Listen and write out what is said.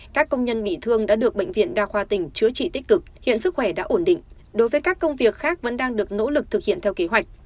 các công nhân bị thương đã được bệnh viện đa khoa tỉnh chữa trị tích cực hiện sức khỏe đã ổn định đối với các công việc khác vẫn đang được nỗ lực thực hiện theo kế hoạch